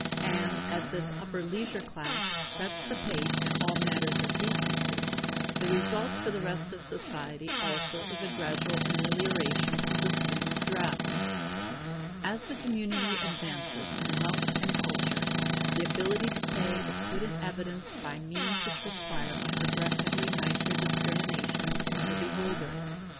And as this upper leisure class sets the pace in all matters of decency, the result for the rest of society also is a gradual amelioration of the scheme of dress. As the community advances in wealth and culture, the ability to pay is put in evidence by means which require a progressively nicer discrimination in the beholder.